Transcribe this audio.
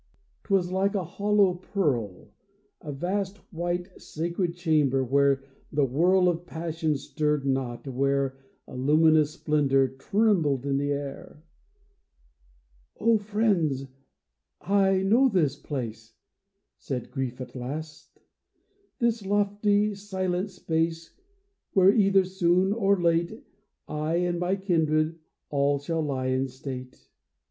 'Twas like a hollow pearl — A vast white sacred chamber, where the whirl Of passion stirred not, where A luminous splendor trembled in the air. " O friends, I know this place," Said Grief at last, " this lofty, silent space, Where, either soon or late, I and my kindred all shall lie in state."